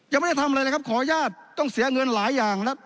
ยังไม่ได้ทำอะไรเลยครับขออนุญาตต้องเสียเงินหลายอย่างแล้ว